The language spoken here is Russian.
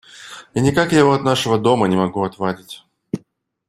И никак я его от нашего дома не могу отвадить.